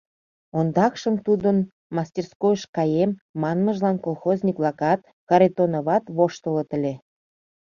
Ондакшым тудын «мастерскойыш каем» манмыжлан колхозник-влакат, Харитоноват воштылыт ыле.